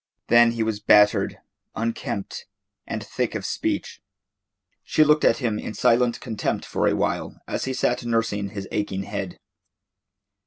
Then he was battered, unkempt, and thick of speech. She looked at him in silent contempt for a while as he sat nursing his aching head.